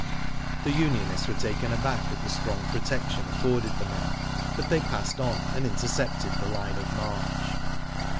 The unionists were taken aback at the strong protection afforded the men, but they passed on and intercepted the line of march.